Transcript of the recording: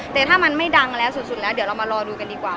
แต่ถ้ามันไม่ดังแล้วสุดแล้วเดี๋ยวเรามารอดูกันดีกว่า